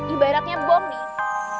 ibaratnya bom nih